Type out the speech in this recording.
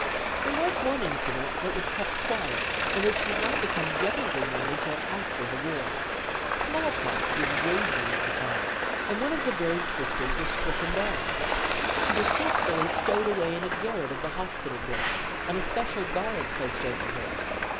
There was one incident that was kept quiet and which did not become generally known until after the war. Small pox was raging at the time, and one of the brave Sisters was stricken down. She was hastily stowed away in a garret of the hospital building and a special guard placed over her.